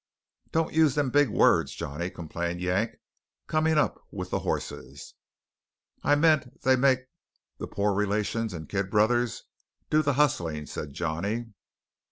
"Don't use them big words, Johnny," complained Yank, coming up with the horses. "I meant they make the poor relations and kid brothers do the hustling," said Johnny.